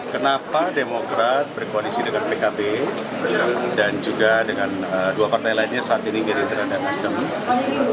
kenapa demokrat berkoalisi dengan pkb dan juga dengan dua partai lainnya saat ini gerindra dan nasdem